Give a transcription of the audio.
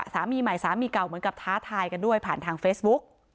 สามีใหม่สามีเก่าเหมือนกับท้าทายกันด้วยผ่านทางเฟซบุ๊ก